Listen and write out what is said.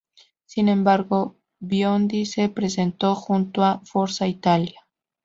Sin embargo, Biondi se presentó junto a Forza Italia.